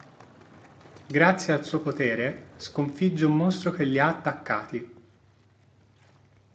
Grazie al suo potere sconfigge un mostro che li ha attaccati.